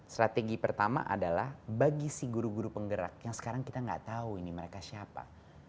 strategi pertama adalah bagi guru guru penggerak yang sekarang kita tidak tahu mereka siapa